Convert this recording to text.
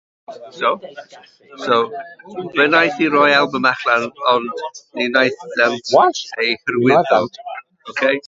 Fe wnaethant roi albwm allan ond ni wnaethant ei hyrwyddo.